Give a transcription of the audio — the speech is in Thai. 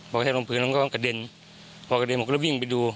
พอให้ลงพื้นแล้วก็กระเด็นพอกระเด็นผมก็เลยวิ่งไปดู